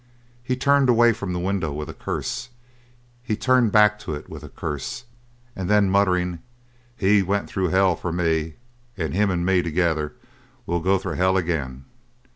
He turned away from the window with a curse; he turned back to it with a curse, and then, muttering: "He went through hell for me; and him and me together, we'll go through hell again!"